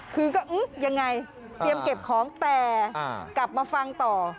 คือก็ยังไงเตรียมเก็บของแต่กลับมาฟังต่อ